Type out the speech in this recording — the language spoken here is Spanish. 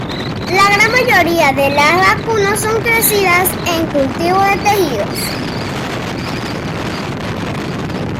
La gran mayoría de las vacunas son crecidas en cultivos de tejidos.